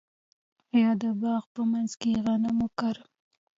آیا د باغ په منځ کې غنم وکرم؟